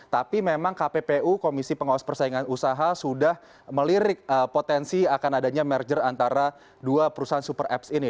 tapi memang kppu komisi pengawas persaingan usaha sudah melirik potensi akan adanya merger antara dua perusahaan super apps ini